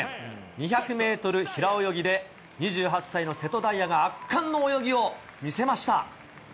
２００メートル平泳ぎで、２８歳の瀬戸大也が圧巻の泳ぎを見せました。